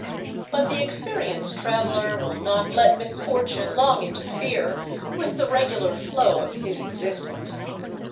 But the experienced traveler will not let misfortune long interfere with the regular flow of his existence.